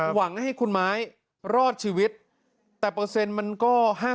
หวังให้คุณไม้รอดชีวิตแต่เปอร์เซ็นต์มันก็๕๐